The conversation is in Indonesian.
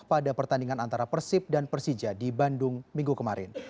pada pertandingan antara persib dan persija di bandung minggu kemarin